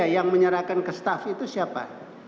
yang menyerahkan ke staff itu siapa